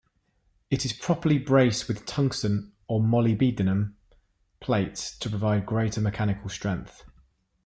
It is properly braced with tungsten or molybdenum plates to provide greater mechanical strength.